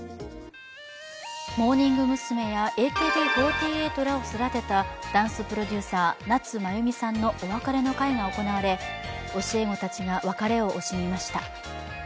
モーニング娘やＡＫＢ４８らを育てたダンスプロデューサー・夏まゆみさんのお別れの会が行われ、教え子たちが別れを惜しみました。